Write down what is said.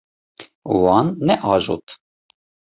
Wan neajot.